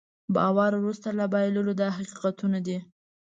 باور وروسته له بایللو دا حقیقتونه دي.